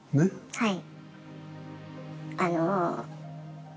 はい。